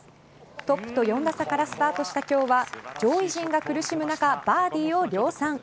トップと４打差からスタートした今日は上位陣が苦しむ中バーディーを量産。